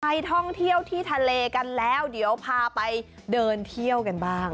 ไปท่องเที่ยวที่ทะเลกันแล้วเดี๋ยวพาไปเดินเที่ยวกันบ้าง